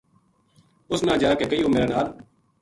اس نا جا کہیو میرے نال